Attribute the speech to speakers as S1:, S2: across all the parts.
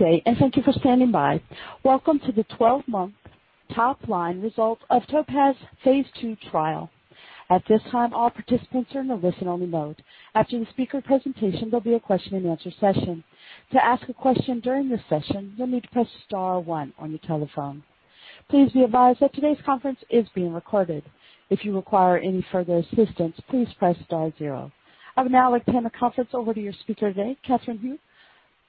S1: And thank you for standing by. Welcome to the 12-month top line results of TOPAZ phase two trial. At this time, all participants are in a listen-only mode. After the speaker presentation, there'll be a question and answer session. To ask a question during this session, you'll need to press star one on your telephone. Please be advised that today's conference is being recorded. If you require any further assistance, please press star zero. I would now like to hand the conference over to your speaker today, Catherine Hu,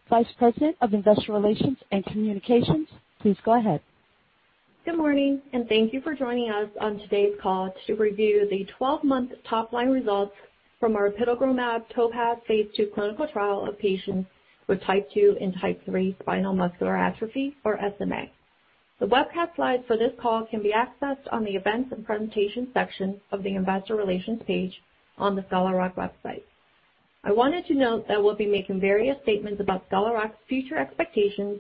S1: Vice President of Investor Relations and Communications. Please go ahead.
S2: Good morning, thank you for joining us on today's call to review the 12-month top line results from our apitegromab TOPAZ phase II clinical trial of patients with type 2 and type 3 spinal muscular atrophy or SMA. The webcast slides for this call can be accessed on the events and presentation section of the Investor Relations page on the Scholar Rock website. I wanted to note that we'll be making various statements about Scholar Rock's future expectations,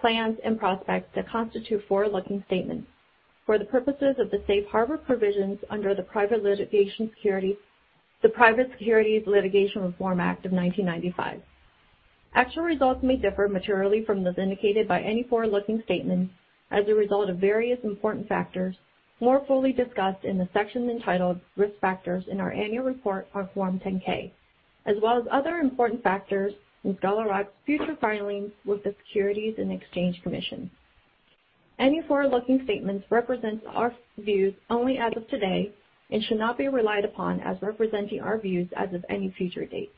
S2: plans, and prospects that constitute forward-looking statements for the purposes of the safe harbor provisions under the Private Securities Litigation Reform Act of 1995. Actual results may differ materially from those indicated by any forward-looking statement as a result of various important factors, more fully discussed in the section entitled Risk Factors in our annual report on Form 10-K, as well as other important factors in Scholar Rock's future filings with the Securities and Exchange Commission. Any forward-looking statements represent our views only as of today and should not be relied upon as representing our views as of any future date.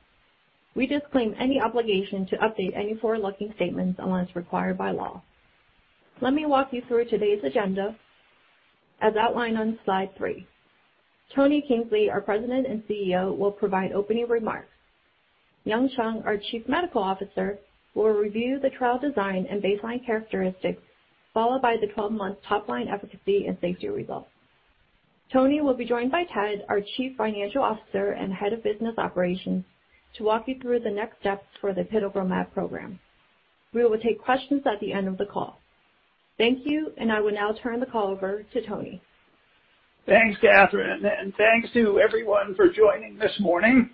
S2: We disclaim any obligation to update any forward-looking statements unless required by law. Let me walk you through today's agenda as outlined on slide three. Tony Kingsley, our President and CEO, will provide opening remarks. Yung Chyung, our Chief Medical Officer, will review the trial design and baseline characteristics, followed by the 12-month top-line efficacy and safety results. Tony will be joined by Ted, our Chief Financial Officer and Head of Business Operations, to walk you through the next steps for the apitegromab program. We will take questions at the end of the call. Thank you. I will now turn the call over to Tony.
S3: Thanks, Catherine, thanks to everyone for joining this morning.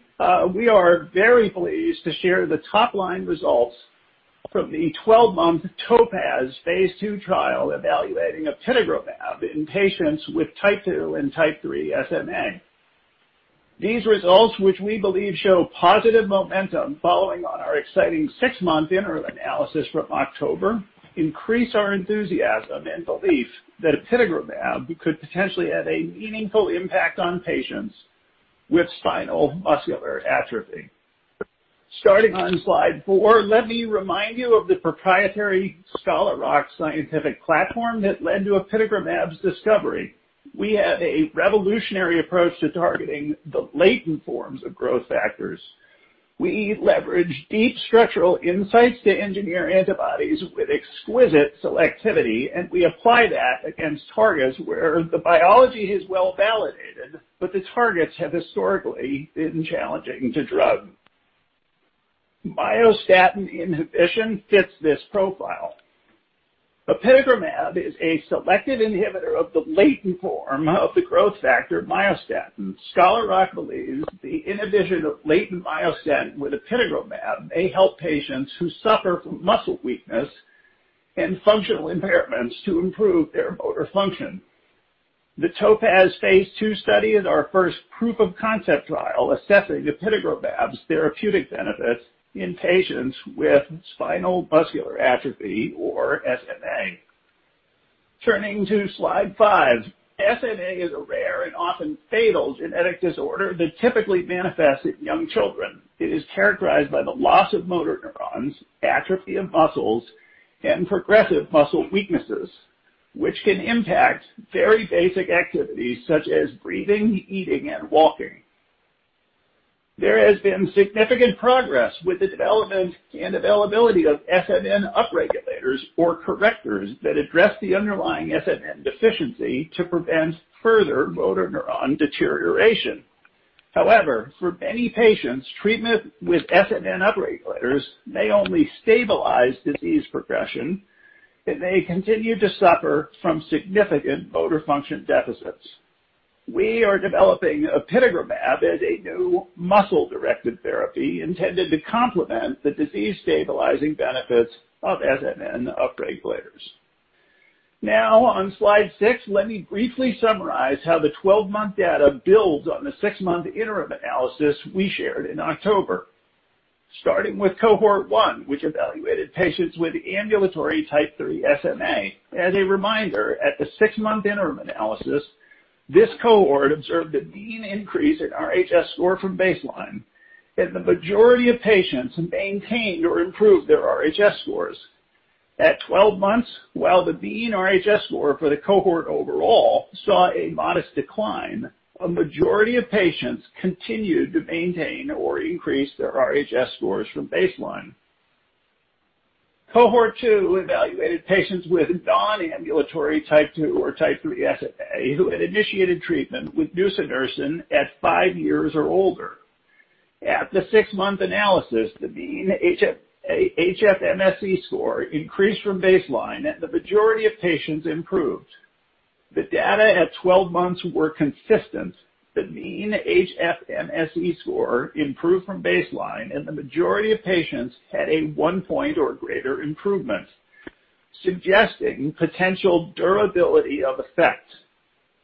S3: We are very pleased to share the top-line results from the 12-month TOPAZ phase II trial evaluating apitegromab in patients with type 2 and type 3 SMA. These results, which we believe show positive momentum following on our exciting 6-month interim analysis from October, increase our enthusiasm and belief that apitegromab could potentially have a meaningful impact on patients with Spinal Muscular Atrophy. Starting on slide four, let me remind you of the proprietary Scholar Rock scientific platform that led to apitegromab's discovery. We have a revolutionary approach to targeting the latent forms of growth factors. We leverage deep structural insights to engineer antibodies with exquisite selectivity, we apply that against targets where the biology is well-validated, the targets have historically been challenging to drug. myostatin inhibition fits this profile. apitegromab is a selective inhibitor of the latent form of the growth factor myostatin. Scholar Rock believes the inhibition of latent myostatin with apitegromab may help patients who suffer from muscle weakness and functional impairments to improve their motor function. The TOPAZ phase II study is our first proof of concept trial assessing apitegromab's therapeutic benefits in patients with spinal muscular atrophy or SMA. Turning to slide five. SMA is a rare and often fatal genetic disorder that typically manifests in young children. It is characterized by the loss of motor neurons, atrophy of muscles, and progressive muscle weaknesses, which can impact very basic activities such as breathing, eating, and walking. There has been significant progress with the development and availability of SMN upregulators or correctors that address the underlying SMN deficiency to prevent further motor neuron deterioration. However, for many patients, treatment with SMN upregulators may only stabilize disease progression and may continue to suffer from significant motor function deficits. We are developing apitegromab as a new muscle-directed therapy intended to complement the disease-stabilizing benefits of SMN upregulators. Now on slide six, let me briefly summarize how the 12-month data builds on the six-month interim analysis we shared in October. Starting with cohort 1, which evaluated patients with ambulatory type 3 SMA. As a reminder, at the six-month interim analysis, this cohort observed a mean increase in RHS score from baseline, and the majority of patients maintained or improved their RHS scores. At 12 months, while the mean RHS score for the cohort overall saw a modest decline, a majority of patients continued to maintain or increase their RHS scores from baseline. Cohort 2 evaluated patients with non-ambulatory type 2 or type 3 SMA who had initiated treatment with nusinersen at five years or older. At the six-month analysis, the mean HFMSE score increased from baseline, and the majority of patients improved. The data at 12 months were consistent. The mean HFMSE score improved from baseline, and the majority of patients had a one-point or greater improvement, suggesting potential durability of effect.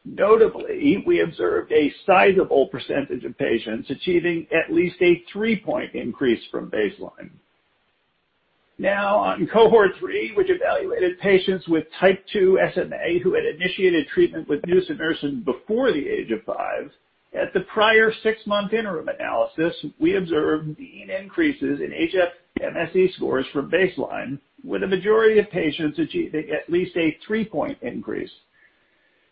S3: Notably, we observed a sizable percentage of patients achieving at least a three-point increase from baseline. Now on Cohort 3, which evaluated patients with Type 2 SMA who had initiated treatment with nusinersen before the age of five. At the prior six-month interim analysis, we observed mean increases in HFMSE scores from baseline, with a majority of patients achieving at least a three-point increase.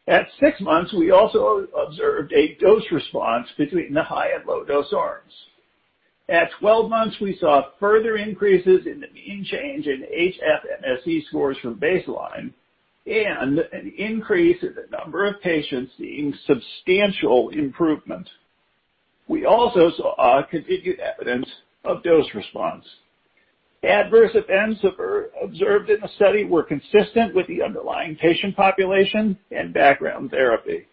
S3: At six months, we also observed a dose response between the high and low dose arms. At 12 months, we saw further increases in the mean change in HFMSE scores from baseline and an increase in the number of patients seeing substantial improvement. We also saw continued evidence of dose response. Adverse events observed in the study were consistent with the underlying patient population and background therapy.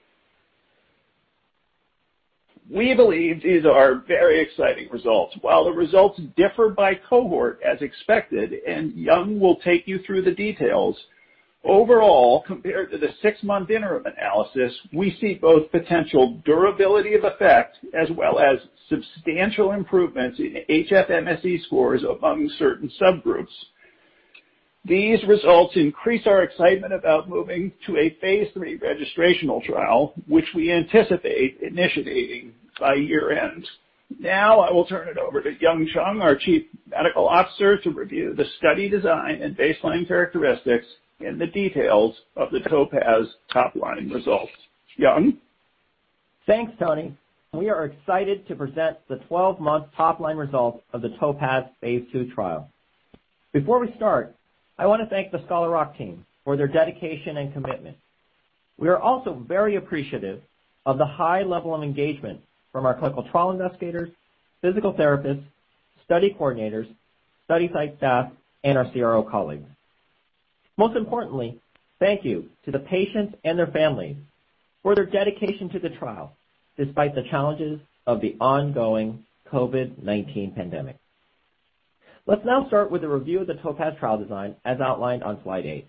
S3: We believe these are very exciting results. While the results differ by cohort as expected, Yung will take you through the details, overall, compared to the six month interim analysis, we see both potential durability of effect as well as substantial improvements in HFMSE scores among certain subgroups. These results increase our excitement about moving to a phase III registrational trial, which we anticipate initiating by year-end. Now I will turn it over to Yung Chyung, our chief medical officer, to review the study design and baseline characteristics, and the details of the TOPAZ top line results. Yung?
S4: Thanks, Tony. We are excited to present the 12-month top line results of the TOPAZ phase II trial. Before we start, I want to thank the Scholar Rock team for their dedication and commitment. We are also very appreciative of the high level of engagement from our clinical trial investigators, physical therapists, study coordinators, study site staff, and our CRO colleagues. Most importantly, thank you to the patients and their families for their dedication to the trial despite the challenges of the ongoing COVID-19 pandemic. Let's now start with a review of the TOPAZ trial design as outlined on slide eight.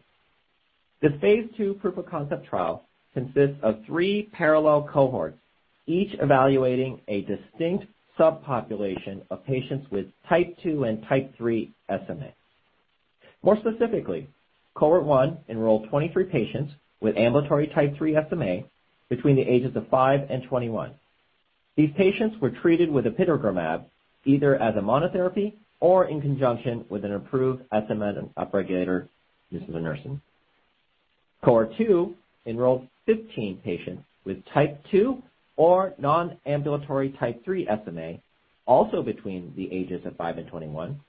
S4: The phase II proof of concept trial consists of three parallel cohorts, each evaluating a distinct subpopulation of patients with Type 2 and Type 3 SMA. More specifically, Cohort 1 enrolled 23 patients with ambulatory Type 3 SMA between the ages of five and 21. These patients were treated with apitegromab either as a monotherapy or in conjunction with an approved SMN upregulator, nusinersen. Cohort 2 enrolled 15 patients with Type 2 or non-ambulatory Type 3 SMA, also between the ages of 5 and 21.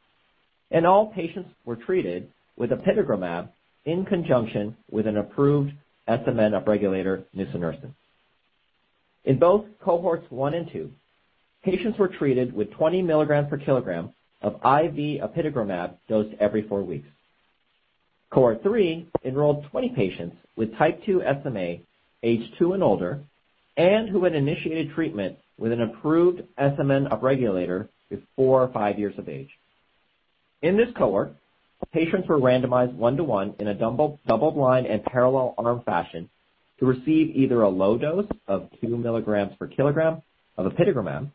S4: All patients were treated with apitegromab in conjunction with an approved SMN upregulator, nusinersen. In both Cohorts 1 and 2, patients were treated with 20 mg/kg of IV apitegromab dosed every four weeks. Cohort 3 enrolled 20 patients with Type 2 SMA age 2 and older and who had initiated treatment with an approved SMN upregulator before five years of age. In this cohort, patients were randomized on to one in a double-blind and parallel arm fashion to receive either a low dose of 2 mg/kg of apitegromab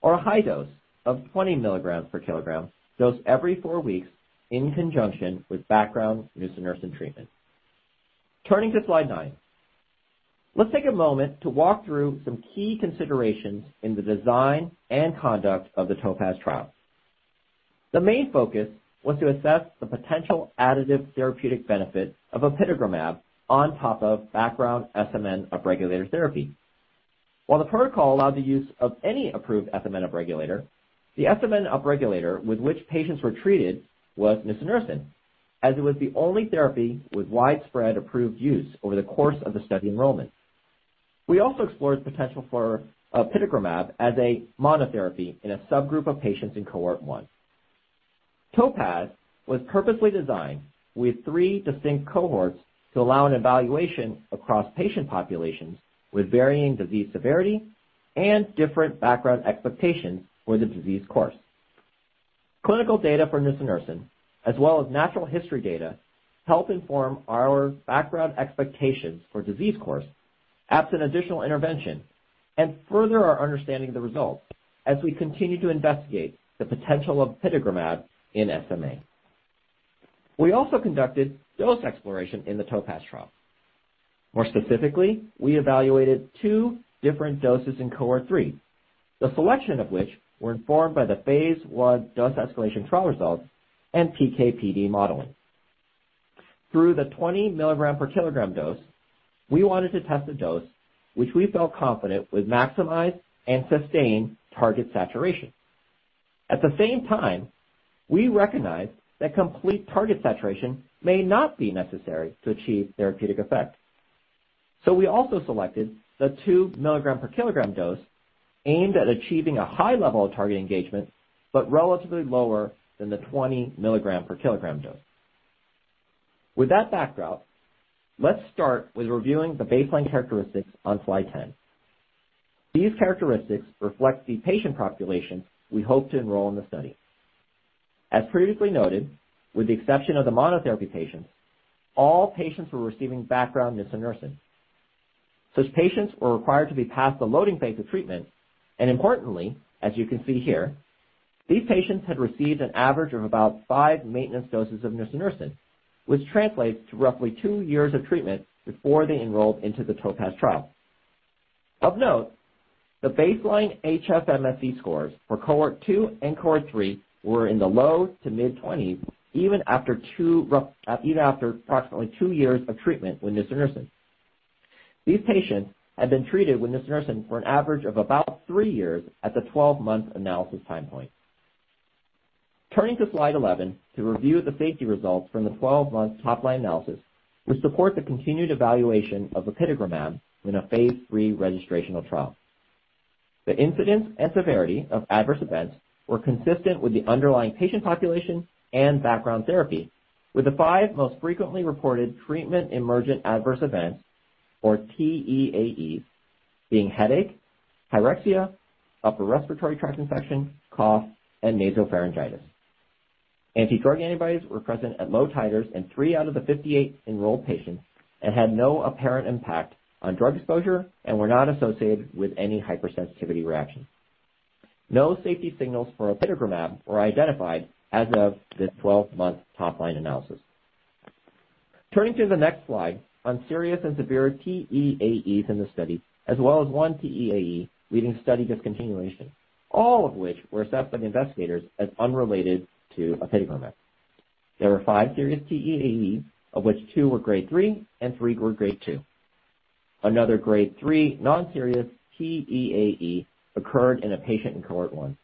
S4: or a high dose of 20 mg/kg dosed every four weeks in conjunction with background nusinersen treatment. Turning to slide nine. Let's take a moment to walk through some key considerations in the design and conduct of the TOPAZ trial. The main focus was to assess the potential additive therapeutic benefit of apitegromab on top of background SMN upregulator therapy. While the protocol allowed the use of any approved SMN upregulator, the SMN upregulator with which patients were treated was nusinersen, as it was the only therapy with widespread approved use over the course of the study enrollment. We also explored the potential for apitegromab as a monotherapy in a subgroup of patients in Cohort 1. TOPAZ was purposely designed with three distinct cohorts to allow an evaluation across patient populations with varying disease severity and different background expectations for the disease course. Clinical data for nusinersen as well as natural history data help inform our background expectations for disease course absent additional intervention and further our understanding of the results as we continue to investigate the potential of apitegromab in SMA. We also conducted dose exploration in the TOPAZ trial. More specifically, we evaluated two different doses in Cohort 3, the selection of which were informed by the Phase I dose escalation trial results and PK/PD modeling. Through the 20 mg/kg, we wanted to test a dose which we felt confident would maximize and sustain target saturation. At the same time, we recognize that complete target saturation may not be necessary to achieve therapeutic effect. We also selected the two mg/kg dose. Aimed at achieving a high level of target engagement, but relatively lower than the 20 mg/kg dose. With that backdrop, let's start with reviewing the baseline characteristics on slide 10. These characteristics reflect the patient population we hope to enroll in the study. As previously noted, with the exception of the monotherapy patients, all patients were receiving background nusinersen. Such patients were required to be past the loading phase of treatment, and importantly, as you can see here, these patients had received an average of about five maintenance doses of nusinersen, which translates to roughly two years of treatment before they enrolled into the TOPAZ trial. Of note, the baseline HFMSE scores for cohort 2 and cohort 3 were in the low to mid-20s even after approximately two years of treatment with nusinersen. These patients had been treated with nusinersen for an average of about three years at the 12-month analysis time point. Turning to slide 11 to review the safety results from the 12-month top-line analysis, which support the continued evaluation of apitegromab in a phase III registrational trial. The incidence and severity of adverse events were consistent with the underlying patient population and background therapy, with the five most frequently reported treatment emergent adverse events, or TEAE, being headache, pyrexia, upper respiratory tract infection, cough, and nasopharyngitis. Anti-drug antibodies were present at low titers in three out of the 58 enrolled patients and had no apparent impact on drug exposure and were not associated with any hypersensitivity reactions. No safety signals for apitegromab were identified as of this 12-month top-line analysis. Turning to the next slide on serious and severe TEAEs in the study, as well as one TEAE leading study discontinuation, all of which were assessed by the investigators as unrelated to apitegromab. There were five serious TEAEs, of which two were grade 3 and three were grade 2. Another grade 3 non-serious TEAE occurred in a patient in cohort 1.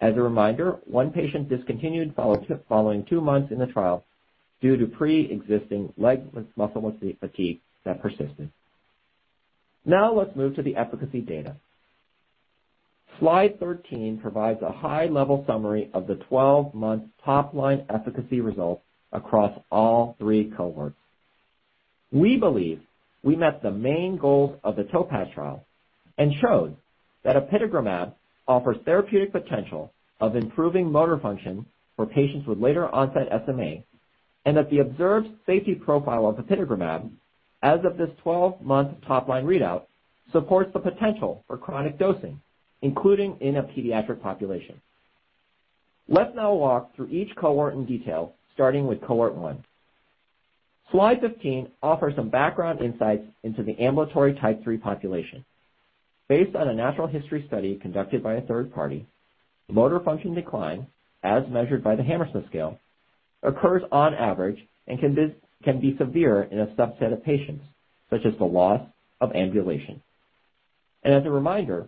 S4: As a reminder, one patient discontinued following two months in the trial due to preexisting leg muscle fatigue that persisted. Now let's move to the efficacy data. Slide 13 provides a high-level summary of the 12-month top-line efficacy results across all three cohorts. We believe we met the main goals of the TOPAZ trial and showed that apitegromab offers therapeutic potential of improving motor function for patients with later-onset SMA, and that the observed safety profile of apitegromab, as of this 12-month top-line readout, supports the potential for chronic dosing, including in a pediatric population. Let's now walk through each cohort in detail, starting with cohort one. Slide 15 offers some background insights into the ambulatory type 3 population. Based on a natural history study conducted by a third party, motor function decline, as measured by the Hammersmith Scale, occurs on average and can be severe in a subset of patients, such as the loss of ambulation. As a reminder,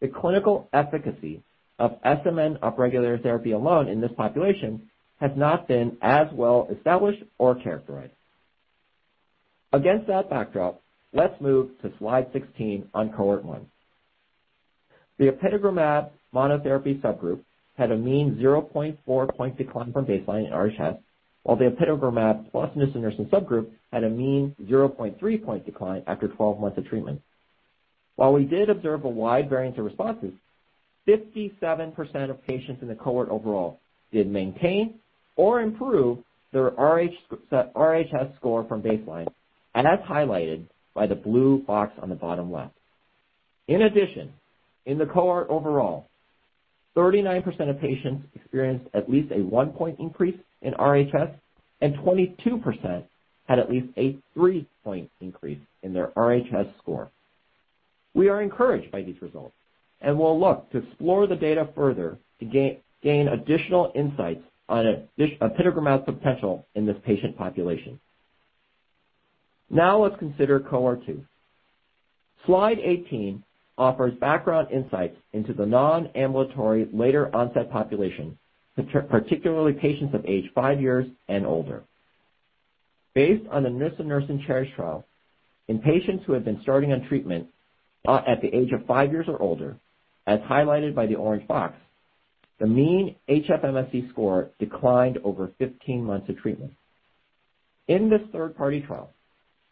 S4: the clinical efficacy of SMN upregulator therapy alone in this population has not been as well established or characterized. Against that backdrop, let's move to slide 16 on cohort one. The apitegromab monotherapy subgroup had a mean 0.4-point decline from baseline in RHS, while the apitegromab plus nusinersen subgroup had a mean 0.3-point decline after 12 months of treatment. While we did observe a wide variance of responses, 57% of patients in the cohort overall did maintain or improve their RHS score from baseline, as highlighted by the blue box on the bottom left. In addition, in the cohort overall, 39% of patients experienced at least a one point increase in RHS, and 22% had at least a three point increase in their RHS score. We are encouraged by these results and will look to explore the data further to gain additional insights on apitegromab's potential in this patient population. Now let's consider cohort 2. Slide 18 offers background insights into the non-ambulatory later-onset population, particularly patients of age five years and older. Based on the nusinersen CHERISH trial in patients who have been starting on treatment at the age of five years or older, as highlighted by the orange box, the mean HFMSE score declined over 15 months of treatment. In this third-party trial,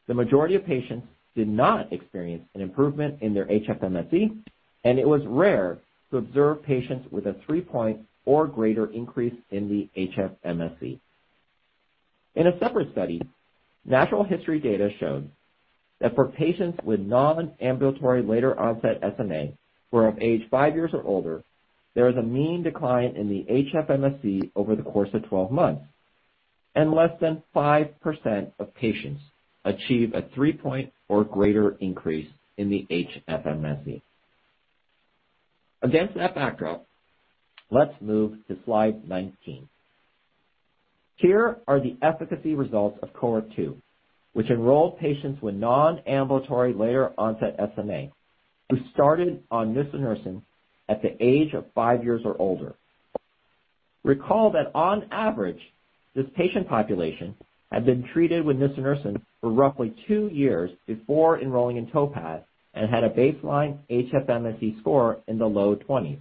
S4: the majority of patients did not experience an improvement in their HFMSE, and it was rare to observe patients with a three-point or greater increase in the HFMSE. In a separate study, natural history data showed that for patients with non-ambulatory later-onset SMA who are of age five years or older, there is a mean decline in the HFMSE over the course of 12 months, and less than 5% of patients achieve a three-point or greater increase in the HFMSE. Against that backdrop, let's move to slide 19. Here are the efficacy results of cohort 2, which enrolled patients with non-ambulatory later-onset SMA who started on nusinersen at the age of five years or older. Recall that on average, this patient population had been treated with nusinersen for roughly two years before enrolling in TOPAZ and had a baseline HFMSE score in the low twenties.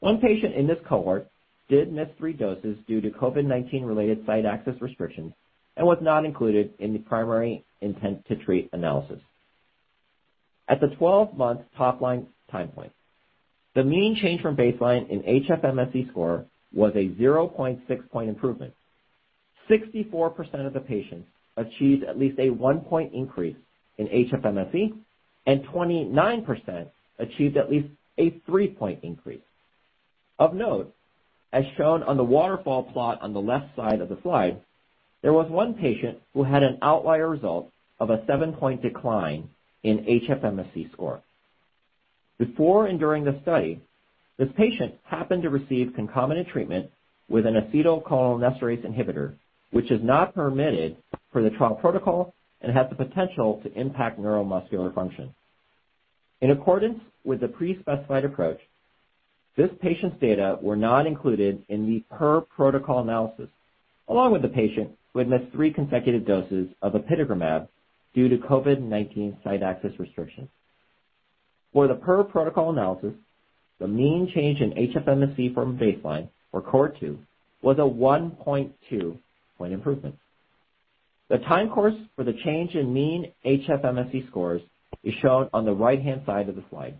S4: One patient in this cohort did miss 3 doses due to COVID-19 related site access restrictions and was not included in the primary intent to treat analysis. At the 12-month top line time point, the mean change from baseline in HFMSE score was a 0.6-point improvement. 64% of the patients achieved at least a one point increase in HFMSE, and 29% achieved at least a three point increase. Of note, as shown on the waterfall plot on the left side of the slide, there was one patient who had an outlier result of a seven-point decline in HFMSE score. Before and during the study, this patient happened to receive concomitant treatment with an acetylcholinesterase inhibitor, which is not permitted for the trial protocol and has the potential to impact neuromuscular function. In accordance with the pre-specified approach, this patient's data were not included in the per-protocol analysis, along with the patient who had missed three consecutive doses of apitegromab due to COVID-19 site access restrictions. For the per-protocol analysis, the mean change in HFMSE from baseline for cohort 2 was a 1.2-point improvement. The time course for the change in mean HFMSE scores is shown on the right-hand side of the slide.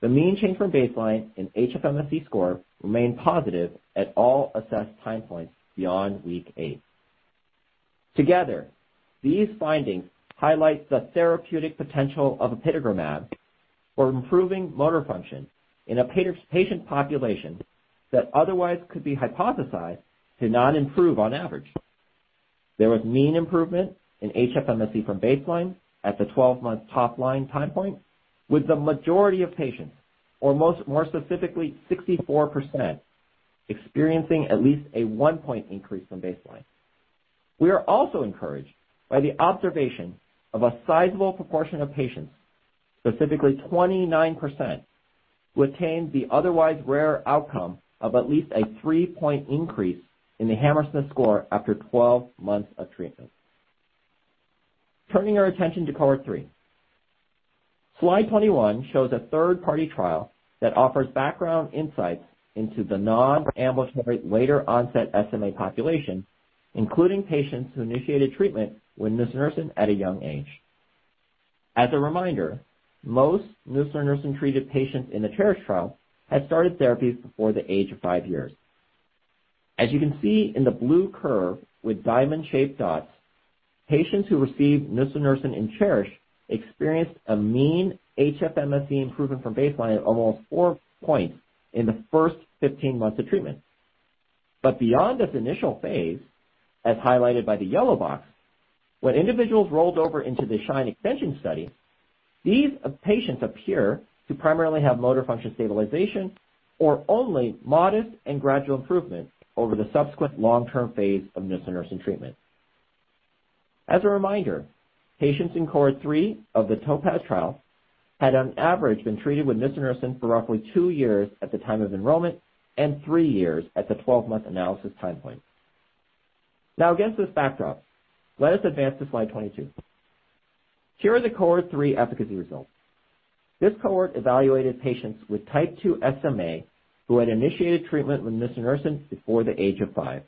S4: The mean change from baseline in HFMSE score remained positive at all assessed time points beyond week eight. Together, these findings highlight the therapeutic potential of apitegromab for improving motor function in a patient population that otherwise could be hypothesized to not improve on average. There was mean improvement in HFMSE from baseline at the 12-month top-line time point, with the majority of patients, or more specifically 64%, experiencing at least a one-point increase from baseline. We are also encouraged by the observation of a sizable proportion of patients, specifically 29%, who attained the otherwise rare outcome of at least a three-point increase in the Hammersmith score after 12 months of treatment. Turning our attention to cohort 3. Slide 21 shows a third-party trial that offers background insights into the non-ambulatory later onset SMA population, including patients who initiated treatment with nusinersen at a young age. As a reminder, most nusinersen-treated patients in the CHERISH trial had started therapy before the age of five years. As you can see in the blue curve with diamond shape dots, patients who received nusinersen in CHERISH experienced a mean HFMSE improvement from baseline of almost four points in the first 15 months of treatment. Beyond this initial phase, as highlighted by the yellow box, when individuals rolled over into the SHINE extension study, these patients appear to primarily have motor function stabilization or only modest and gradual improvement over the subsequent long-term phase of nusinersen treatment. As a reminder, patients in cohort three of the TOPAZ trial had, on average, been treated with nusinersen for roughly two years at the time of enrollment and three years at the 12-month analysis time point. Now against this backdrop, let us advance to slide 22. Here are the cohort three efficacy results. This cohort evaluated patients with type 2 SMA who had initiated treatment with nusinersen before the age of five.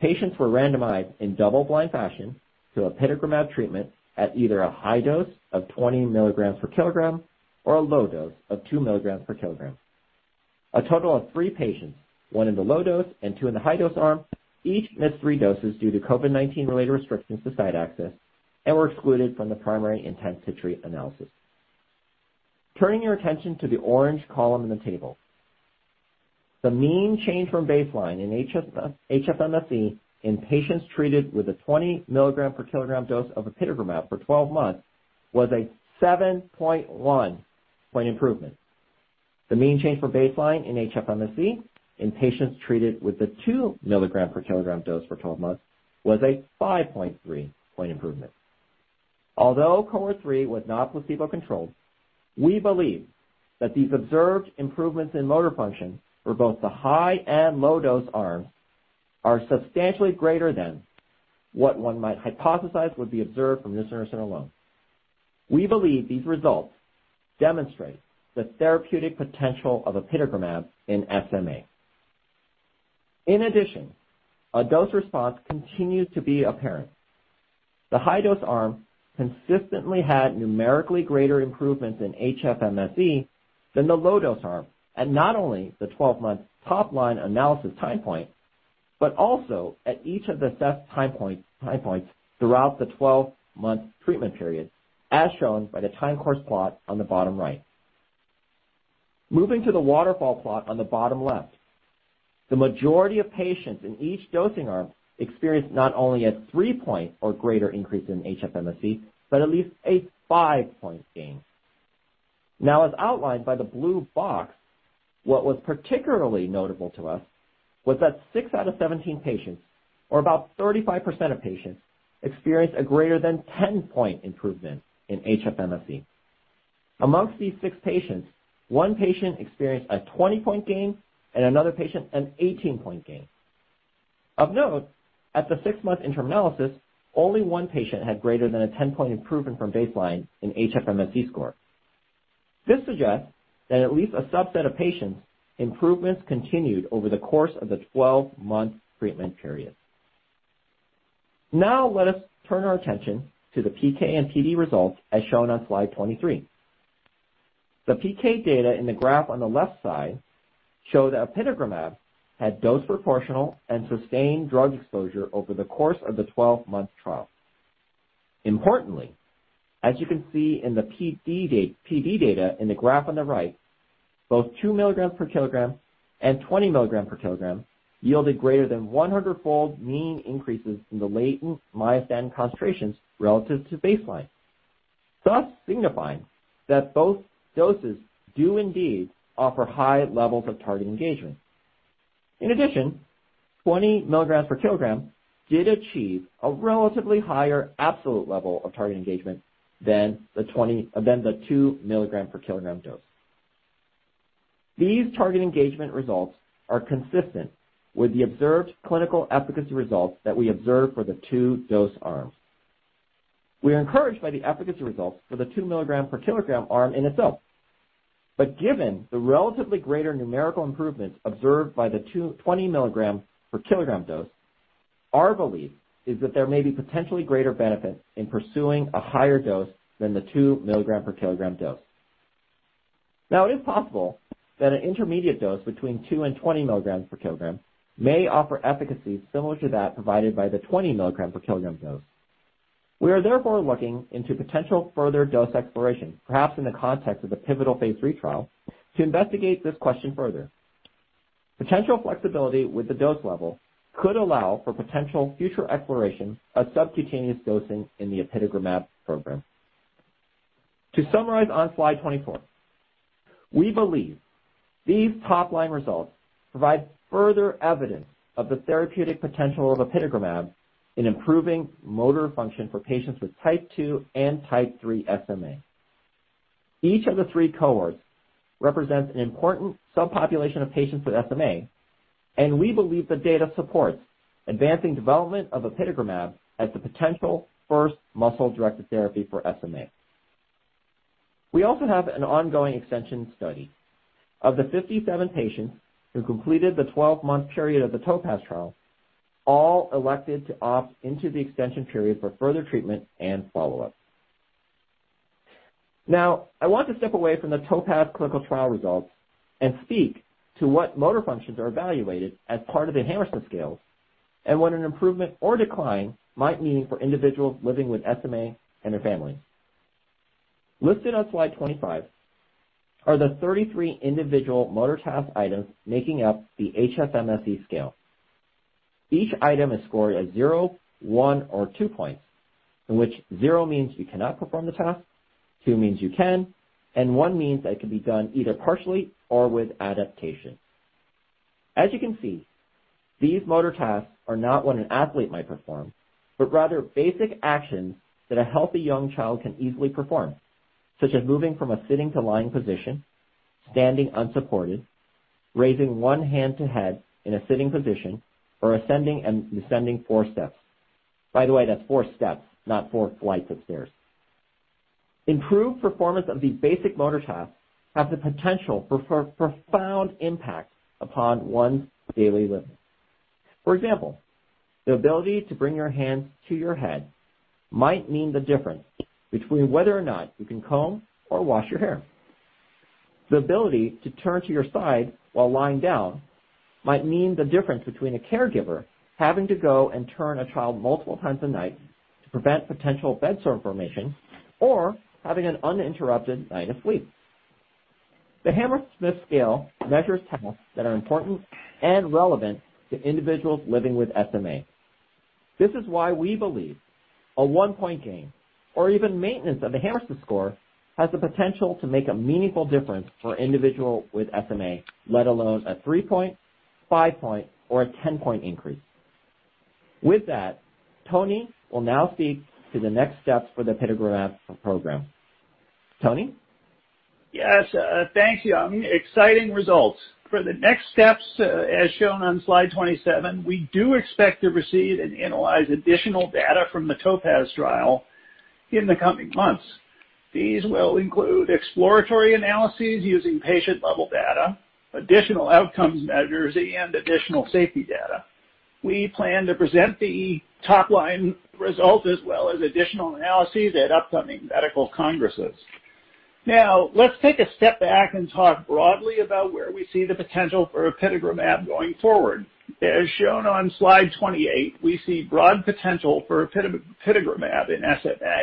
S4: Patients were randomized in double-blind fashion to apitegromab treatment at either a high dose of 20 mg/kg or a low dose of two mg/kg. A total of three patients, one in the low dose and two in the high dose arm, each missed three doses due to COVID-19-related restrictions to site access and were excluded from the primary intent to treat analysis. Turning your attention to the orange column in the table. The mean change from baseline in HFMSE in patients treated with a 20 mg/kg dose of apitegromab for 12 months was a 7.1 point improvement. The mean change from baseline in HFMSE in patients treated with the 2 mg/kg dose for 12 months was a 5.3 point improvement. Although cohort 3 was not placebo-controlled, we believe that these observed improvements in motor function for both the high and low dose arms are substantially greater than what one might hypothesize would be observed from nusinersen alone. We believe these results demonstrate the therapeutic potential of apitegromab in SMA. A dose response continues to be apparent. The high dose arm consistently had numerically greater improvements in HFMSE than the low dose arm at not only the 12-month top-line analysis time point, but also at each of the assessed time points throughout the 12-month treatment period, as shown by the time course plot on the bottom right. Moving to the waterfall plot on the bottom left. The majority of patients in each dosing arm experienced not only a three-point or greater increase in HFMSE, but at least a five-point gain. As outlined by the blue box, what was particularly notable to us was that six out of 17 patients, or about 35% of patients, experienced a greater than 10-point improvement in HFMSE. Amongst these six patients, one patient experienced a 20-point gain and another patient an 18-point gain. Of note, at the six-month interim analysis, only one patient had greater than a 10-point improvement from baseline in HFMSE score. This suggests that at least a subset of patients' improvements continued over the course of the 12-month treatment period. Let us turn our attention to the PK and PD results as shown on slide 23. The PK data in the graph on the left side show that apitegromab had dose proportional and sustained drug exposure over the course of the 12-month trial. Importantly, as you can see in the PD data in the graph on the right, both 2 mg/kg and 20 mg/kg yielded greater than 100-fold mean increases in the latent myostatin concentrations relative to baseline, thus signifying that both doses do indeed offer high levels of target engagement. In addition, 20 mg/kg did achieve a relatively higher absolute level of target engagement than the 2 mg/kg dose. These target engagement results are consistent with the observed clinical efficacy results that we observed for the two dose arms. We are encouraged by the efficacy results for the 2 mg/kg arm in itself. Given the relatively greater numerical improvements observed by the 20 mg/kg dose, our belief is that there may be potentially greater benefit in pursuing a higher dose than the 2 mg/kg dose. Now, it is possible that an intermediate dose between 2 and 20 mg/kg may offer efficacy similar to that provided by the 20 mg/kg dose. We are therefore looking into potential further dose exploration, perhaps in the context of the pivotal phase III trial, to investigate this question further. Potential flexibility with the dose level could allow for potential future exploration of subcutaneous dosing in the apitegromab program. To summarize on slide 24, we believe these top-line results provide further evidence of the therapeutic potential of apitegromab in improving motor function for patients with type 2 and type 3 SMA. Each of the three cohorts represents an important subpopulation of patients with SMA, and we believe the data supports advancing development of apitegromab as the potential first muscle-directed therapy for SMA. We also have an ongoing extension study. Of the 57 patients who completed the 12-month period of the TOPAZ trial, all elected to opt into the extension period for further treatment and follow-up. Now, I want to step away from the TOPAZ clinical trial results and speak to what motor functions are evaluated as part of the Hammersmith Scale and what an improvement or decline might mean for individuals living with SMA and their families. Listed on slide 25 are the 33 individual motor task items making up the HFMSE scale. Each item is scored as zero, one, or two points, in which zero means you cannot perform the task, two means you can, and one means that it can be done either partially or with adaptation. As you can see, these motor tasks are not what an athlete might perform, but rather basic actions that a healthy young child can easily perform, such as moving from a sitting to lying position, standing unsupported, raising one hand to head in a sitting position, or ascending and descending four steps. By the way, that's four steps, not four flights of stairs. Improved performance of these basic motor tasks have the potential for profound impact upon one's daily living. For example, the ability to bring your hands to your head might mean the difference between whether or not you can comb or wash your hair. The ability to turn to your side while lying down might mean the difference between a caregiver having to go and turn a child multiple times a night to prevent potential bedsore formation, or having an uninterrupted night of sleep. The Hammersmith Scale measures tasks that are important and relevant to individuals living with SMA. This is why we believe a one-point gain or even maintenance of the Hammersmith score has the potential to make a meaningful difference for individual with SMA, let alone a three-point, five-point, or a 10-point increase. With that, Tony will now speak to the next steps for the apitegromab program. Tony?
S3: Yes. Thank you. Exciting results. For the next steps, as shown on slide 27, we do expect to receive and analyze additional data from the TOPAZ trial in the coming months. These will include exploratory analyses using patient-level data, additional outcomes measures, and additional safety data. We plan to present the top-line results as well as additional analyses at upcoming medical congresses. Let's take a step back and talk broadly about where we see the potential for apitegromab going forward. As shown on slide 28, we see broad potential for apitegromab in SMA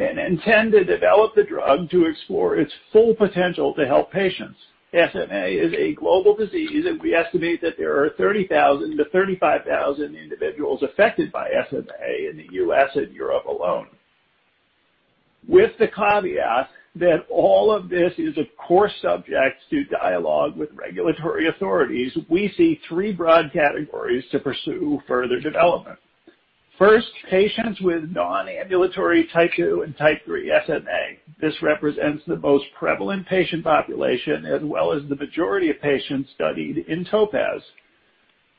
S3: and intend to develop the drug to explore its full potential to help patients. SMA is a global disease. We estimate that there are 30,000-35,000 individuals affected by SMA in the U.S. and Europe alone. With the caveat that all of this is of course subject to dialogue with regulatory authorities, we see three broad categories to pursue further development. First, patients with non-ambulatory Type 2 and Type 3 SMA. This represents the most prevalent patient population, as well as the majority of patients studied in TOPAZ.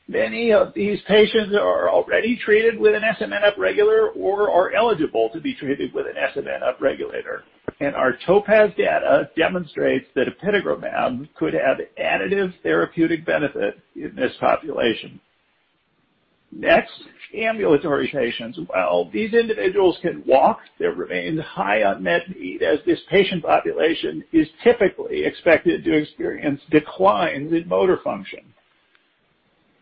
S3: Many of these patients are already treated with an SMN upregulator or are eligible to be treated with an SMN upregulator, and our TOPAZ data demonstrates that apitegromab could add additive therapeutic benefit in this population. Next, ambulatory patients. While these individuals can walk, they remain high unmet need, as this patient population is typically expected to experience declines in motor function.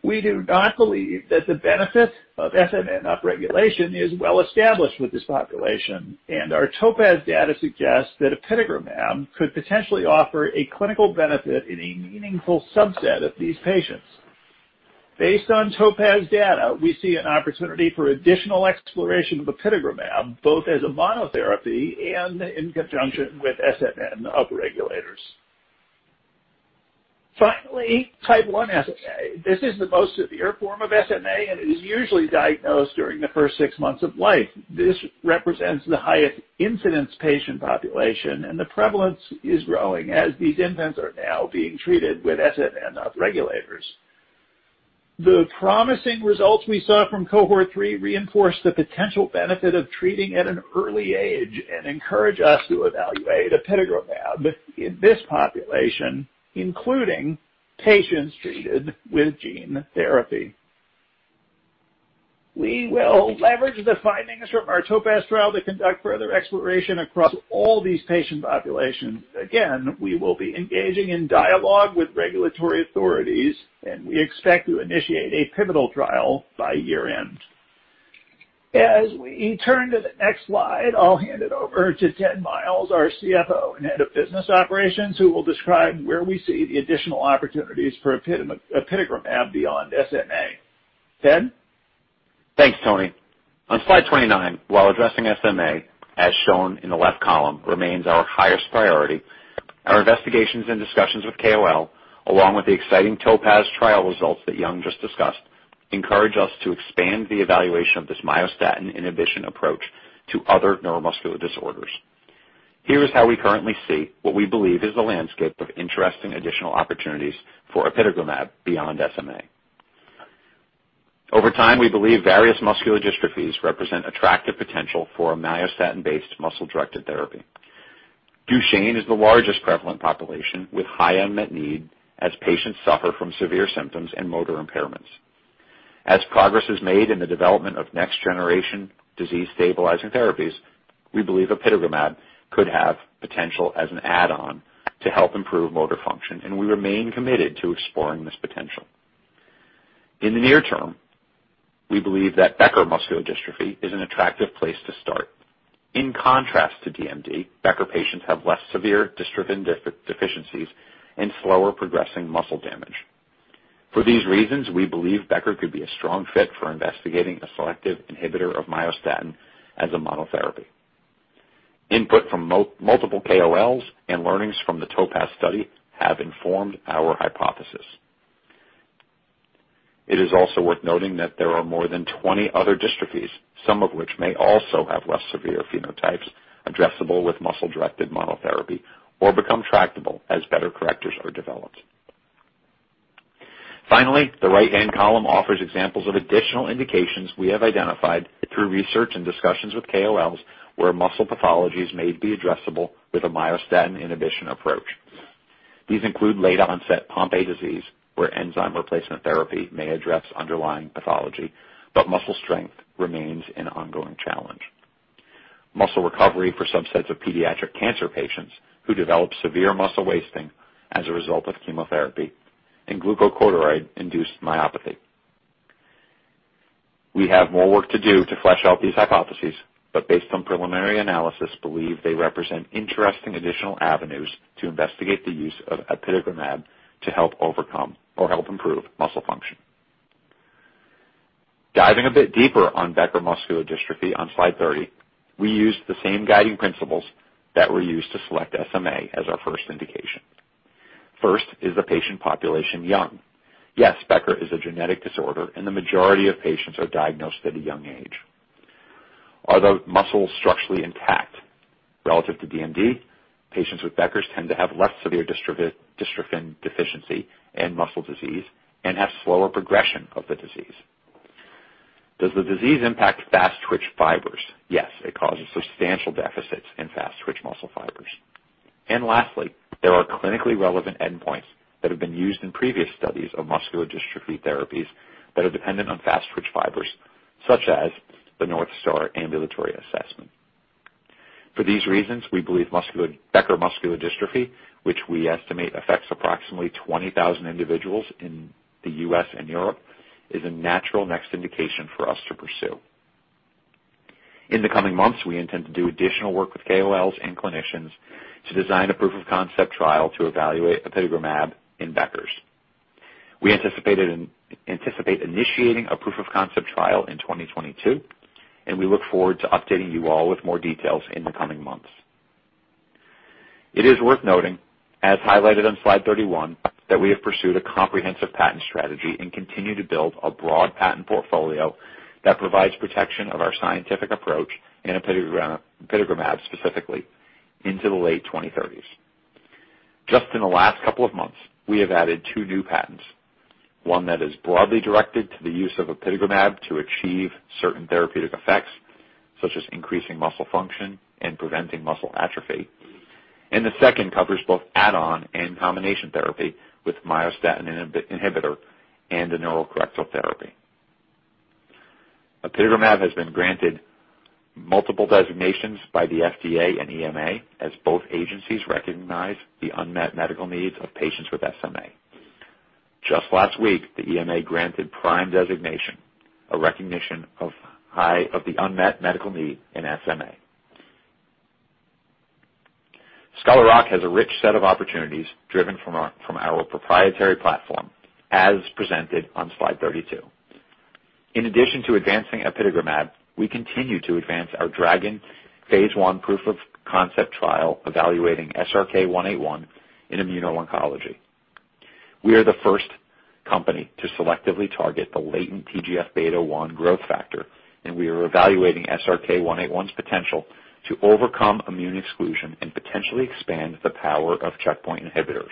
S3: We do not believe that the benefit of SMN upregulation is well established with this population, and our TOPAZ data suggests that apitegromab could potentially offer a clinical benefit in a meaningful subset of these patients. Based on TOPAZ data, we see an opportunity for additional exploration of apitegromab, both as a monotherapy and in conjunction with SMN upregulators. Finally, Type 1 SMA. This is the most severe form of SMA and is usually diagnosed during the first six months of life. This represents the highest incidence patient population, and the prevalence is growing as these infants are now being treated with SMN upregulators. The promising results we saw from Cohort 3 reinforce the potential benefit of treating at an early age and encourage us to evaluate apitegromab in this population, including patients treated with gene therapy. We will leverage the findings from our TOPAZ trial to conduct further exploration across all these patient populations. Again, we will be engaging in dialogue with regulatory authorities, and we expect to initiate a pivotal trial by year-end. As we turn to the next slide, I'll hand it over to Ted Myles, our CFO and Head of Business Operations, who will describe where we see the additional opportunities for apitegromab beyond SMA. Ted?
S5: Thanks, Tony. On slide 29, while addressing SMA, as shown in the left column, remains our highest priority, our investigations and discussions with KOL, along with the exciting TOPAZ trial results that Yung just discussed, encourage us to expand the evaluation of this myostatin inhibition approach to other neuromuscular disorders. Here's how we currently see what we believe is the landscape of interesting additional opportunities for apitegromab beyond SMA. Over time, we believe various muscular dystrophies represent attractive potential for a myostatin-based muscle-directed therapy. Duchenne is the largest prevalent population with high unmet need as patients suffer from severe symptoms and motor impairments. As progress is made in the development of next generation disease-stabilizing therapies, we believe apitegromab could have potential as an add-on to help improve motor function, and we remain committed to exploring this potential. In the near term, we believe that Becker muscular dystrophy is an attractive place to start. In contrast to DMD, Becker patients have less severe dystrophin deficiencies and slower progressing muscle damage. For these reasons, we believe Becker could be a strong fit for investigating a selective inhibitor of myostatin as a monotherapy. Input from multiple KOLs and learnings from the TOPAZ study have informed our hypothesis. It is also worth noting that there are more than 20 other dystrophies, some of which may also have less severe phenotypes addressable with muscle-directed monotherapy or become tractable as better correctors are developed. Finally, the right-hand column offers examples of additional indications we have identified through research and discussions with KOLs where muscle pathologies may be addressable with a myostatin inhibition approach. These include late-onset Pompe disease, where enzyme replacement therapy may address underlying pathology, but muscle strength remains an ongoing challenge. Muscle recovery for subsets of pediatric cancer patients who develop severe muscle wasting as a result of chemotherapy and glucocorticoid-induced myopathy. We have more work to do to flesh out these hypotheses, but based on preliminary analysis, believe they represent interesting additional avenues to investigate the use of apitegromab to help overcome or help improve muscle function. Diving a bit deeper on Becker muscular dystrophy on Slide 30, we used the same guiding principles that were used to select SMA as our first indication. First, is the patient population young? Yes, Becker is a genetic disorder, and the majority of patients are diagnosed at a young age. Are the muscles structurally intact? Relative to DMD, patients with Beckers tend to have less severe dystrophin deficiency and muscle disease and have slower progression of the disease. Does the disease impact fast-twitch fibers? Yes, it causes substantial deficits in fast-twitch muscle fibers. Lastly, there are clinically relevant endpoints that have been used in previous studies of muscular dystrophy therapies that are dependent on fast-twitch fibers, such as the North Star Ambulatory Assessment. For these reasons, we believe Becker muscular dystrophy, which we estimate affects approximately 20,000 individuals in the U.S. and Europe, is a natural next indication for us to pursue. In the coming months, we intend to do additional work with KOLs and clinicians to design a proof of concept trial to evaluate apitegromab in Beckers. We anticipate initiating a proof of concept trial in 2022, and we look forward to updating you all with more details in the coming months. It is worth noting, as highlighted on slide 31, that we have pursued a comprehensive patent strategy and continue to build a broad patent portfolio that provides protection of our scientific approach in apitegromab, specifically, into the late 2030s. Just in the last couple of months, we have added two new patents. One that is broadly directed to the use of apitegromab to achieve certain therapeutic effects, such as increasing muscle function and preventing muscle atrophy. The second covers both add-on and combination therapy with myostatin inhibitor and a neuronal corrector therapy. Apitegromab has been granted multiple designations by the FDA and EMA as both agencies recognize the unmet medical needs of patients with SMA. Just last week, the EMA granted PRIME designation, a recognition of the unmet medical need in SMA. Scholar Rock has a rich set of opportunities driven from our proprietary platform, as presented on slide 32. In addition to advancing apitegromab, we continue to advance our DRAGON Phase I proof of concept trial evaluating SRK-181 in immuno-oncology. We are the first company to selectively target the latent TGF-β1 growth factor. We are evaluating SRK-181's potential to overcome immune exclusion and potentially expand the power of checkpoint inhibitors.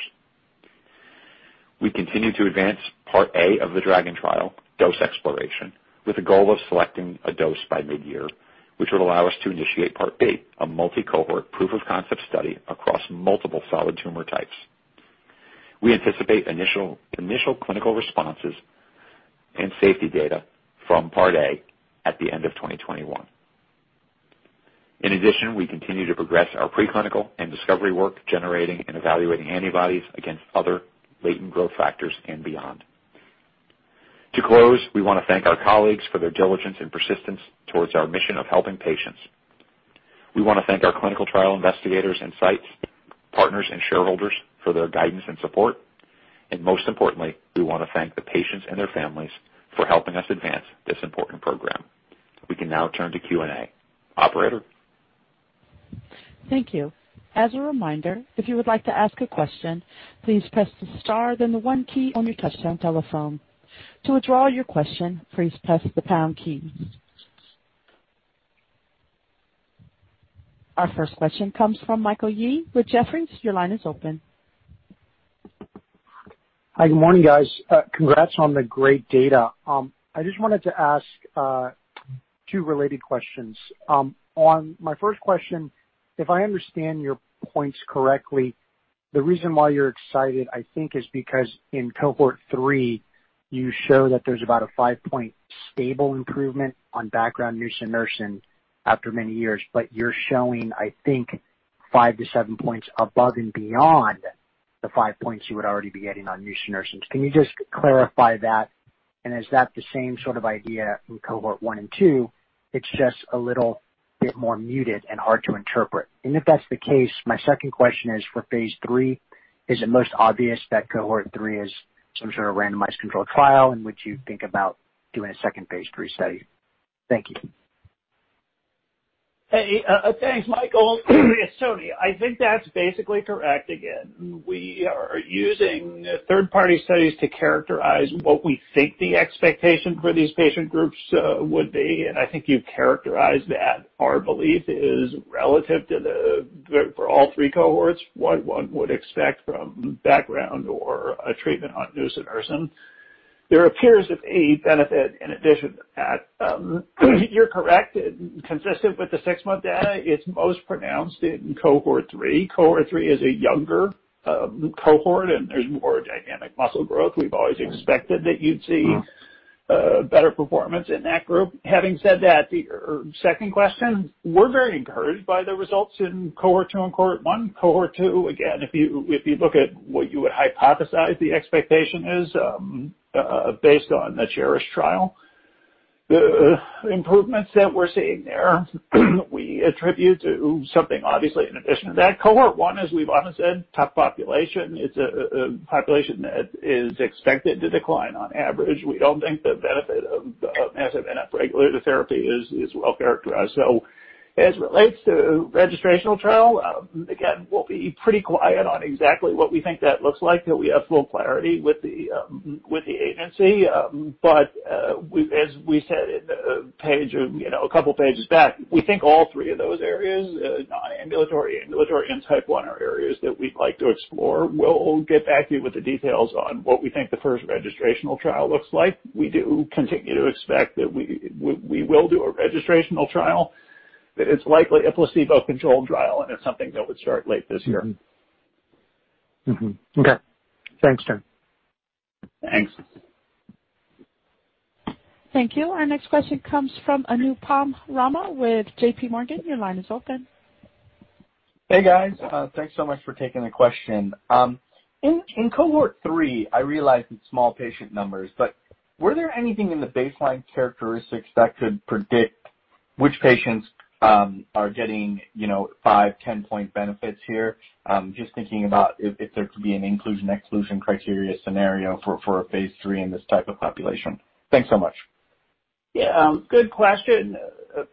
S5: We continue to advance Part A of the DRAGON trial, dose exploration, with a goal of selecting a dose by mid-year, which would allow us to initiate Part B, a multi-cohort proof of concept study across multiple solid tumor types. We anticipate initial clinical responses and safety data from Part A at the end of 2021. In addition, we continue to progress our preclinical and discovery work, generating and evaluating antibodies against other latent growth factors and beyond. To close, we want to thank our colleagues for their diligence and persistence towards our mission of helping patients. We want to thank our clinical trial investigators and sites, partners, and shareholders for their guidance and support, and most importantly, we want to thank the patients and their families for helping us advance this important program. We can now turn to Q&A. Operator?
S1: Thank you. As a reminder, if you would like to ask a question, please press the star then the one key on your touchtone telephone. To withdraw your question, please press the pound key. Our first question comes from Michael Yee with Jefferies. Your line is open.
S6: Hi, good morning, guys. Congrats on the great data. I just wanted to ask two related questions. On my first question, if I understand your points correctly, the reason why you're excited, I think, is because in cohort 3, you show that there's about a five-point stable improvement on background nusinersen after many years, but you're showing, I think, five to seven points above and beyond the five points you would already be getting on nusinersen. Can you just clarify that, is that the same sort of idea from cohort 1 and 2, it's just a little bit more muted and hard to interpret? If that's the case, my second question is for phase III, is it most obvious that cohort 3 is some sort of randomized controlled trial in which you think about doing a second phase III study? Thank you.
S3: Hey, thanks, Michael. It's Tony. I think that's basically correct. Again, we are using third-party studies to characterize what we think the expectation for these patient groups would be, and I think you've characterized that. Our belief is relative to the, for all 3 cohorts, what one would expect from background or a treatment on nusinersen. There appears a benefit in addition to that. You're correct. Consistent with the six month data, it's most pronounced in cohort 3. Cohort 3 is a younger cohort, and there's more dynamic muscle growth. We've always expected that you'd see better performance in that group. Having said that, your second question, we're very encouraged by the results in cohort 2 and cohort 1. Cohort 2, again, if you look at what you would hypothesize the expectation is based on the CHERISH trial, the improvements that we're seeing there we attribute to something obviously in addition to that. Cohort 1, as we've often said, tough population. It's a population that is expected to decline on average. We don't think the benefit of the SMN upregulator therapy is well characterized. As it relates to registrational trial, again, we'll be pretty quiet on exactly what we think that looks like till we have full clarity with the agency. As we said a couple pages back, we think all three of those areas, non-ambulatory, ambulatory, and Type 1 are areas that we'd like to explore. We'll get back to you with the details on what we think the first registrational trial looks like. We do continue to expect that we will do a registrational trial, that it's likely a placebo-controlled trial, and it's something that would start late this year.
S6: Okay. Thanks, Tony.
S3: Thanks.
S1: Thank you. Our next question comes from Anupam Rama with JPMorgan. Your line is open.
S7: Hey, guys. Thanks so much for taking the question. In cohort 3, I realize it's small patient numbers, but were there anything in the baseline characteristics that could predict which patients are getting 5, 10-point benefits here? Just thinking about if there could be an inclusion/exclusion criteria scenario for a phase III in this type of population. Thanks so much.
S3: Yeah. Good question.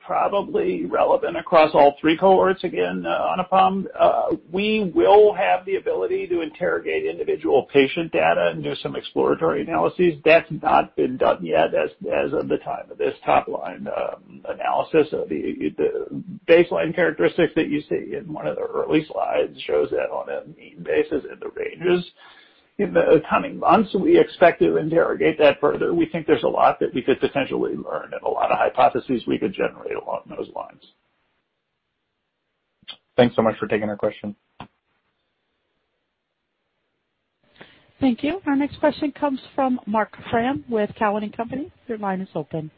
S3: Probably relevant across all three cohorts, again, Anupam. We will have the ability to interrogate individual patient data and do some exploratory analyses. That's not been done yet as of the time of this top-line analysis of the baseline characteristics that you see in one of the early slides shows that on a mean basis and the ranges. In the coming months, we expect to interrogate that further. We think there's a lot that we could potentially learn and a lot of hypotheses we could generate along those lines.
S7: Thanks so much for taking our question.
S1: Thank you. Our next question comes from Marc Frahm with Cowen and Company. Your line is open.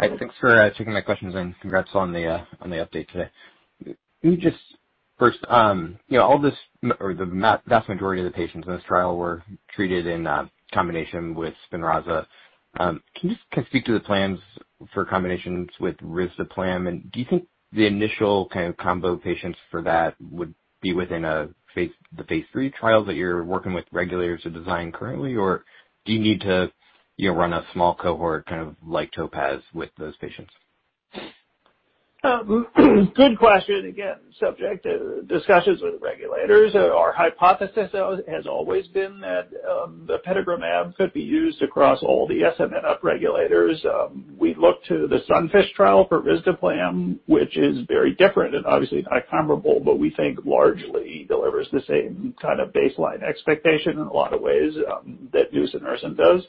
S8: Hi. Thanks for taking my questions. Congrats on the update today. First, the vast majority of the patients in this trial were treated in combination with SPINRAZA. Can you just speak to the plans for combinations with risdiplam, and do you think the initial kind of combo patients for that would be within the phase III trials that you're working with regulators to design currently, or do you need to run a small cohort, kind of like TOPAZ, with those patients?
S3: Good question. Again, subject to discussions with regulators. Our hypothesis has always been that the apitegromab could be used across all the SMN up-regulators. We look to the SUNFISH trial for risdiplam, which is very different and obviously not comparable, but we think largely delivers the same kind of baseline expectation in a lot of ways that nusinersen does.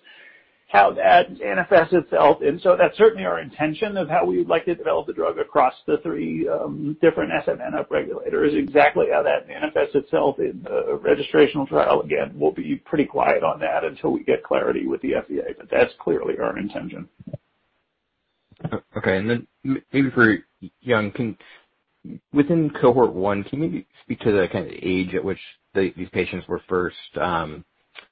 S3: How that manifests itself, and so that's certainly our intention of how we would like to develop the drug across the three different SMN up-regulators. Exactly how that manifests itself in a registrational trial, again, we'll be pretty quiet on that until we get clarity with the FDA, but that's clearly our intention.
S8: Okay. Maybe for Yung, within Cohort 1, can you maybe speak to the kind of age at which these patients were first diagnosed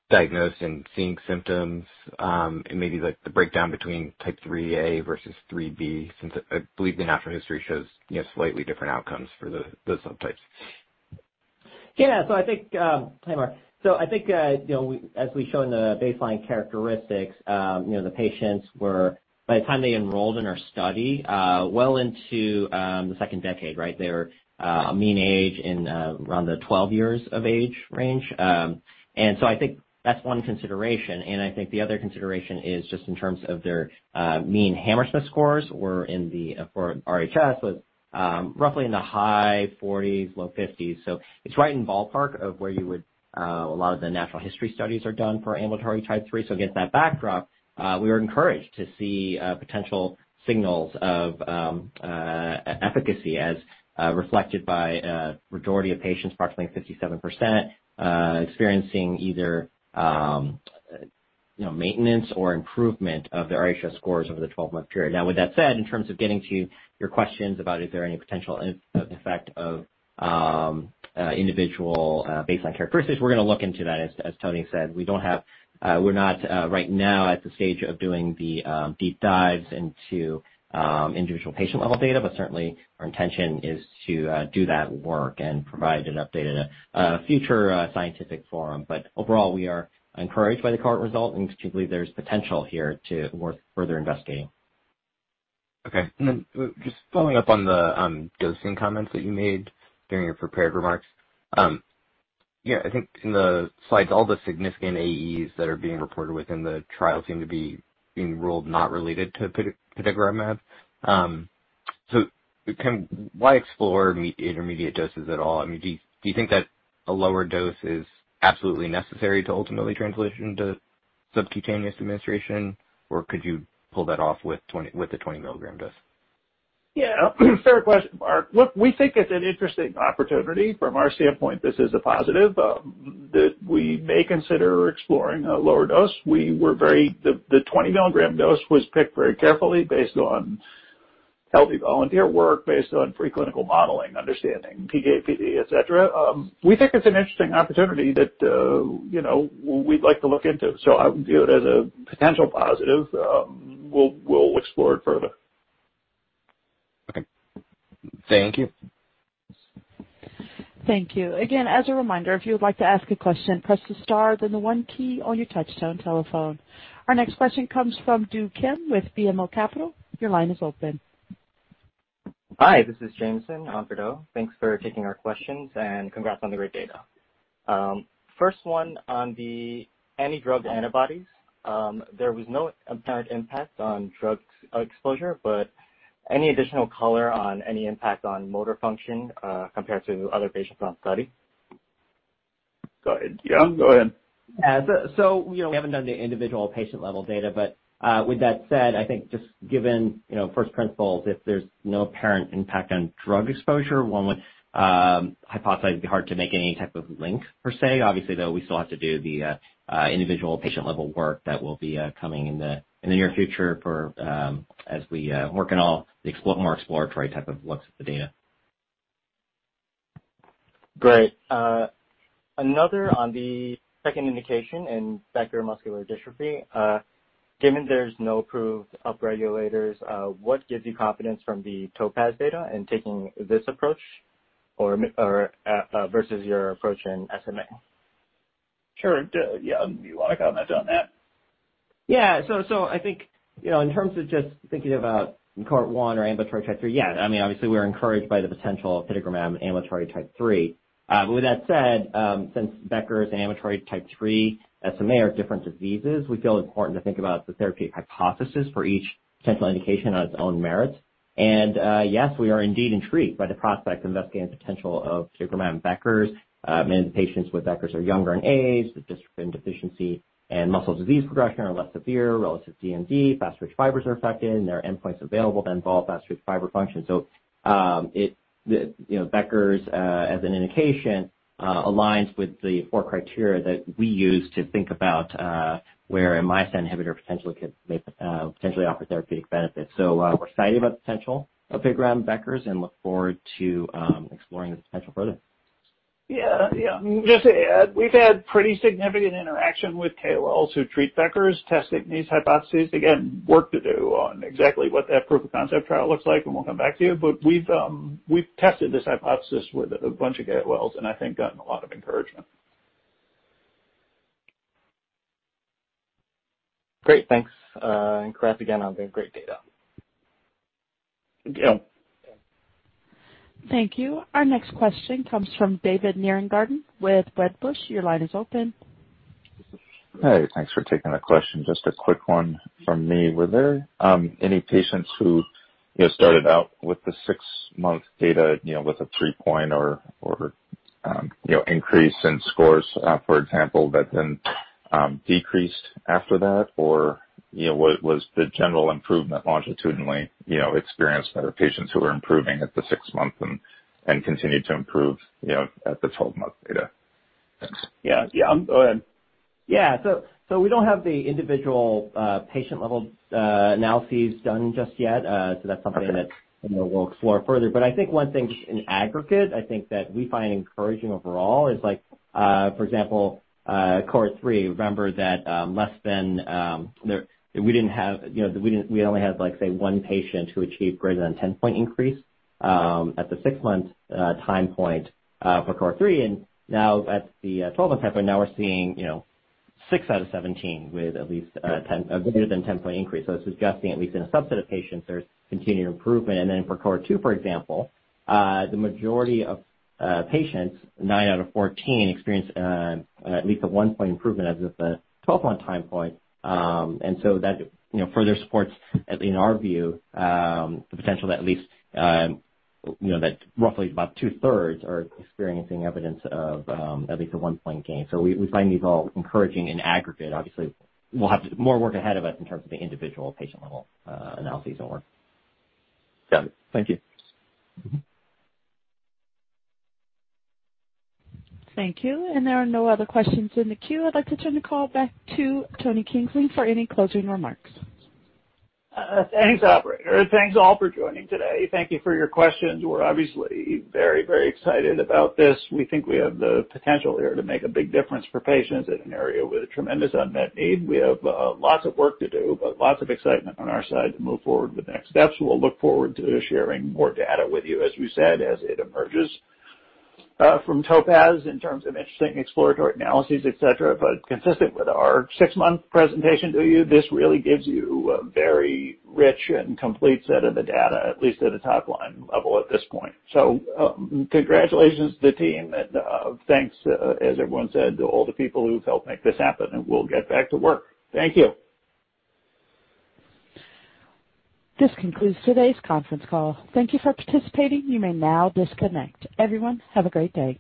S8: and seeing symptoms, and maybe the breakdown between Type 3a versus 3b, since I believe the natural history shows slightly different outcomes for the subtypes?
S4: Yeah. Hi, Marc. I think as we show in the baseline characteristics, the patients were, by the time they enrolled in our study, well into the second decade. They were a mean age in around the 12 years of age range. I think that's one consideration, and I think the other consideration is just in terms of their mean Hammersmith scores for RHS was roughly in the high 40s, low 50s. It's right in ballpark of where a lot of the natural history studies are done for ambulatory Type 3. Against that backdrop, we were encouraged to see potential signals of efficacy as reflected by a majority of patients, approximately 57%, experiencing either maintenance or improvement of their RHS scores over the 12-month period. With that said, in terms of getting to your questions about is there any potential effect of individual baseline characteristics, we're going to look into that. As Tony said, we're not right now at the stage of doing the deep dives into individual patient-level data. Certainly, our intention is to do that work and provide an update at a future scientific forum. Overall, we are encouraged by the current result and particularly there's potential here to work further investigating.
S8: Okay. Just following up on the dosing comments that you made during your prepared remarks. I think in the slides, all the significant AEs that are being reported within the trial seem to be being ruled not related to apitegromab. Why explore intermediate doses at all? Do you think that a lower dose is absolutely necessary to ultimately transition to subcutaneous administration, or could you pull that off with the 20 mg dose?
S3: Fair question, Marc. Look, we think it's an interesting opportunity. From our standpoint, this is a positive that we may consider exploring a lower dose. The 20 mg dose was picked very carefully based on healthy volunteer work, based on preclinical modeling, understanding PK, PD, et cetera. We think it's an interesting opportunity that we'd like to look into, so I would view it as a potential positive. We'll explore it further.
S8: Okay. Thank you.
S1: Thank you. Again, as a reminder, if you would like to ask a question, press the star, then the one key on your touchtone telephone. Our next question comes from Do Kim with BMO Capital. Your line is open.
S9: Hi, this is Jameson on for Do. Thanks for taking our questions. Congrats on the great data. First one on the anti-drug antibodies. There was no apparent impact on drug exposure, any additional color on any impact on motor function compared to other patients on study?
S3: Go ahead. Yeah, go ahead.
S4: Yeah. We haven't done the individual patient-level data, but with that said, I think just given first principles, if there's no apparent impact on drug exposure, one would hypothesize it'd be hard to make any type of link, per se. Obviously, though, we still have to do the individual patient-level work that will be coming in the near future as we work on all the more exploratory type of looks at the data.
S9: Great. Another on the second indication in Becker muscular dystrophy. Given there's no approved up-regulators, what gives you confidence from the TOPAZ data in taking this approach versus your approach in SMA?
S3: Sure. Yeah. You want to comment on that?
S4: I think in terms of just thinking about cohort 1 or ambulatory type 3. Obviously, we're encouraged by the potential of apitegromab ambulatory type 3. With that said, since Becker's ambulatory type 3 SMA are different diseases, we feel important to think about the therapy hypothesis for each potential indication on its own merits. Yes, we are indeed intrigued by the prospect of investigating the potential of apitegromab Becker's. Many of the patients with Becker's are younger in age, the dystrophin deficiency and muscle disease progression are less severe relative to DMD. Fast-twitch fibers are affected, there are endpoints available that involve fast-twitch fiber function. Becker's, as an indication, aligns with the four criteria that we use to think about where a myostatin inhibitor potentially could offer therapeutic benefit. We're excited about the potential of apitegromab Becker muscular dystrophy and look forward to exploring the potential further.
S3: Yeah. Just to add, we've had pretty significant interaction with KOLs who treat Becker's, testing these hypotheses. Again, work to do on exactly what that proof of concept trial looks like, and we'll come back to you. We've tested this hypothesis with a bunch of KOLs and I think gotten a lot of encouragement.
S9: Great. Thanks. Congrats again on the great data.
S3: Yeah.
S1: Thank you. Our next question comes from David Nierengarten with Wedbush. Your line is open.
S10: Hey, thanks for taking the question. Just a quick one from me. Were there any patients who started out with the six-month data with a three-point or increase in scores, for example, that then decreased after that? Was the general improvement longitudinally experienced by the patients who were improving at the six-month and continued to improve at the 12-month data? Thanks.
S4: Yeah. Go ahead. Yeah. We don't have the individual patient level analyses done just yet. That's something that we'll explore further. I think one thing in aggregate, I think that we find encouraging overall is like, for example, cohort three, remember that we only had, say, one patient who achieved greater than 10-point increase at the six-month time point for cohort three. Now at the 12-month time point now we're seeing six out of 17 with at least a greater than 10-point increase. It's suggesting at least in a subset of patients, there's continued improvement. For cohort two, for example, the majority of patients, nine out of 14, experienced at least a one-point improvement as of the 12-month time point. That further supports, at least in our view, the potential that roughly about two-thirds are experiencing evidence of at least a one point gain. We find these all encouraging in aggregate. Obviously, we'll have more work ahead of us in terms of the individual patient-level analyses.
S10: Got it. Thank you.
S1: Thank you. There are no other questions in the queue. I'd like to turn the call back to Tony Kingsley for any closing remarks.
S3: Thanks, operator. Thanks, all, for joining today. Thank you for your questions. We're obviously very excited about this. We think we have the potential here to make a big difference for patients in an area with a tremendous unmet need. We have lots of work to do, but lots of excitement on our side to move forward with the next steps. We'll look forward to sharing more data with you, as we said, as it emerges from TOPAZ in terms of interesting exploratory analyses, et cetera. Consistent with our six-month presentation to you, this really gives you a very rich and complete set of the data, at least at a top-line level at this point. Congratulations to the team and thanks, as everyone said, to all the people who've helped make this happen, and we'll get back to work. Thank you.
S1: This concludes today's conference call. Thank you for participating. You may now disconnect. Everyone, have a great day.